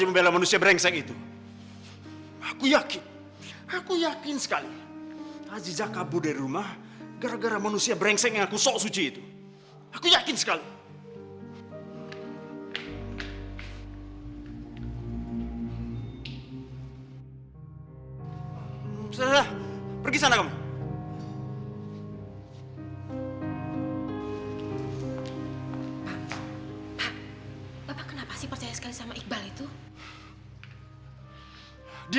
ikbal mengamuk di masjid